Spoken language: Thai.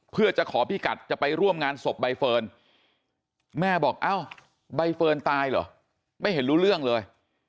เพื่อจะขอพิกัดจะไปร่วมงานศพใบเฟิร์นแม่บอกเอ้าใบเฟิร์นตายเหรอไม่เห็นรู้เรื่องเลย